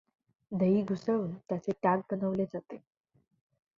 दही घुसळून त्याचे ताक बनवले जाते.